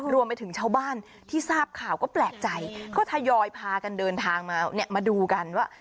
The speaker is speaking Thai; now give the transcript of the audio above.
รวมไปถึงชาวบ้านที่ทราบข่าวก็แปลกใจก็ทยอยพากันเดินทางมาเนี่ยมาดูกันว่า